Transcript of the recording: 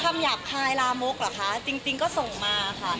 หยาบคายลามกเหรอคะจริงก็ส่งมาค่ะ